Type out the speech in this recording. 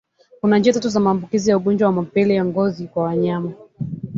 Kuna njia tatu za maambukizi ya ungojwa wa mapele ya ngozi kwa wanyama